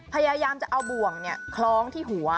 พยายามจะเอาบ่วงคล้องที่หัว